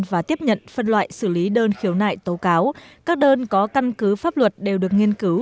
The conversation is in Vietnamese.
và tiếp nhận phân loại xử lý đơn khiếu nại tố cáo các đơn có căn cứ pháp luật đều được nghiên cứu